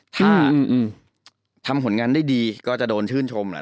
ถ้าทำผลงานได้ดีก็จะโดนชื่นชมแหละ